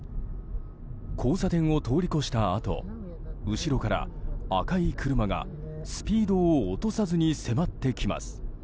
交差点を通り越したあと後ろから赤い車がスピードを落とさずに迫ってきます。